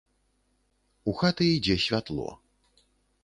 У хаты ідзе святло.